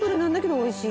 おいしい。